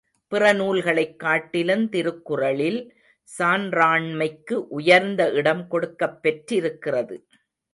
பிற நூல்களைக் காட்டிலுந் திருக்குறளில் சான்றாண்மைக்கு உயர்ந்த இடம் கொடுக்கப் பெற்றிருக்கிறது.